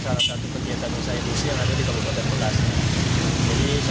bersama mungkin itu dari proses karyawannya